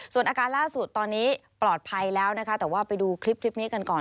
ส่วนอาการล่าสุดตอนนี้ปลอดภัยแล้วนะคะแต่ว่าไปดูคลิปนี้กันก่อน